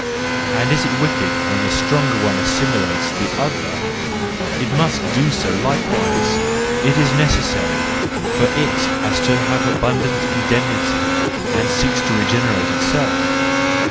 And is it wicked when the stronger one assimilates the other ? It must do so likewise: it is necessary, for it has to have abundant indemnity and seeks to regenerate itself.